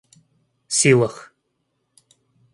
силах